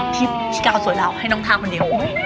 เพราะพี่ก้าวสวยเหล่าให้น้องทาคนเดียว